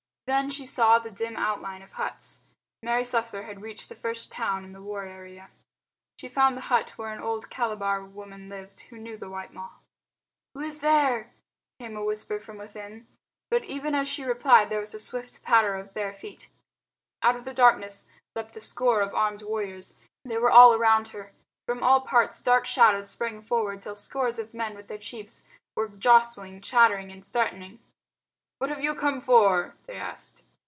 Then she saw the dim outlines of huts. Mary Slessor had reached the first town in the war area. She found the hut where an old Calabar woman lived who knew the white Ma. "Who is there?" came a whisper from within. But even as she replied there was a swift patter of bare feet. Out of the darkness leapt a score of armed warriors. They were all round her. From all parts dark shadows sprang forward till scores of men with their chiefs were jostling, chattering and threatening. "What have you come for?" they asked.